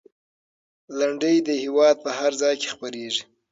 لنډۍ د هېواد په هر ځای کې خپرېږي.